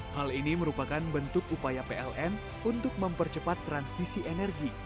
hal ini merupakan bentuk upaya pln untuk mempercepat transisi energi